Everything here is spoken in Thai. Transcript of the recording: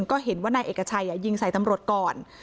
ก็เห็นว่านายเอกชัยยิงใส่ตำรวจก่อน